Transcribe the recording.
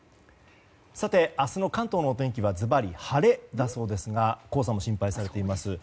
あすの関東のお天気はずばり晴れだそうですが黄砂も心配されています。